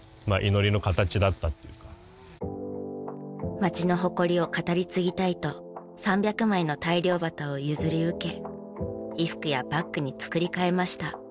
町の誇りを語り継ぎたいと３００枚の大漁旗を譲り受け衣服やバッグに作り変えました。